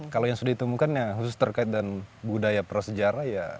kalau yang sudah ditemukan khusus terkait budaya prasejarah